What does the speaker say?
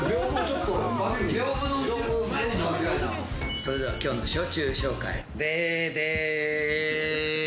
それでは今日の焼酎紹介。